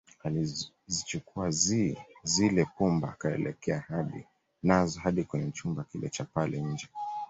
Alizichukua zile pumba akaelekea nazo hadi kwenye chumba kile Cha pale nje